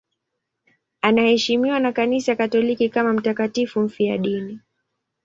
Anaheshimiwa na Kanisa Katoliki kama mtakatifu mfiadini.